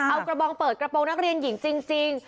เอากระบองเปิดกระโปรงนักเรียนหญิงจริง